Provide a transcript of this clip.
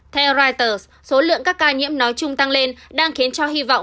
theo reuters số lượng các ca nhiễm nói chung tăng lên đang khiến cho hy vọng